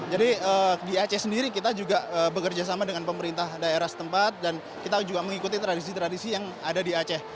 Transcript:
jadi di aceh sendiri kita juga bekerja sama dengan pemerintah daerah setempat dan kita juga mengikuti tradisi tradisi yang ada di aceh